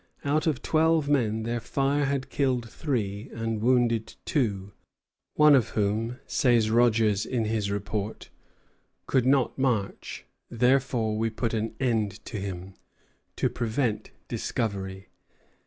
Out of twelve men their fire had killed three and wounded two, one of whom, says Rogers in his report, "could not march, therefore we put an end to him, to prevent discovery."